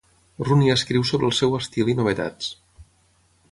Rooney escriu sobre el seu estil i novetats.